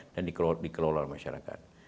dan dikelola oleh masyarakat